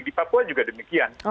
di papua juga demikian